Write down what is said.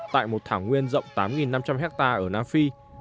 tại một thảo nguyên rộng tám năm trăm linh hectare ở nam phi